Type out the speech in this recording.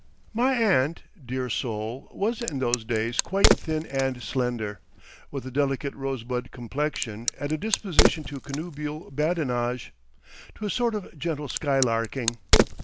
My aunt, dear soul, was in those days quite thin and slender, with a delicate rosebud completion and a disposition to connubial badinage, to a sort of gentle skylarking.